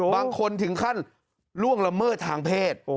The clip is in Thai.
บางคนถึงขั้นล่วงละเมิดทางเพศ